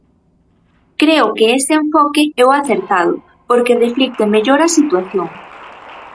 Creo que ese enfoque é o acertado porque reflicte mellor a situación.